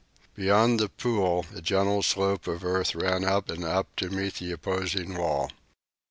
Beyond the pool a gentle slope of earth ran up and up to meet the opposing wall.